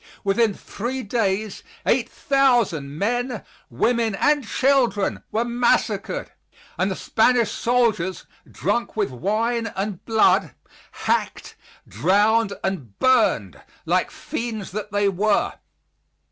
Within three days 8,000 men, women and children were massacred, and the Spanish soldiers, drunk with wine and blood, hacked, drowned and burned like fiends that they were.